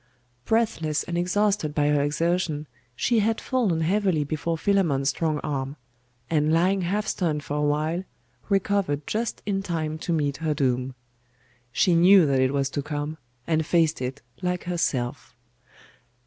Breathless and exhausted by her exertion, she had fallen heavily before Philammon's strong arm; and lying half stunned for a while, recovered just in time to meet her doom. She knew that it was come, and faced it like herself.